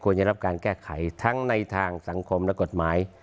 จะรับการแก้ไขทั้งในทางสังคมและกฎหมาย